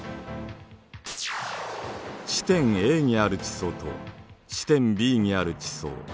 地点Ａにある地層と地点Ｂにある地層。